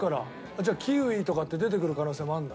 じゃあキウイとかって出てくる可能性もあるんだ？